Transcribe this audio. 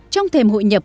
trong thềm hội nhập